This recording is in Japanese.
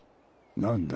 何だ？